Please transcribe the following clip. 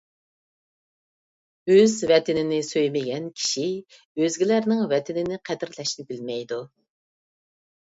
ئۆز ۋەتىنىنى سۆيمىگەن كىشى ئۆزگىلەرنىڭ ۋەتىنىنى قەدىرلەشنى بىلمەيدۇ.